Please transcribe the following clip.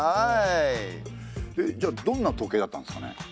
じゃあどんな時計だったんですかね？